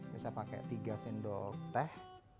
biasa pakai tiga sendok teh